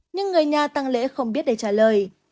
nhưng người nhà tăng lễ không biết để trả lời